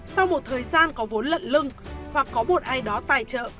sau một thời gian có vốn lận lưng hoặc có một ai đó tài trợ